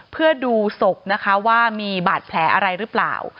เพื่อดูศพนะคะว่ามีบาดแผลอะไรหรือเปล่า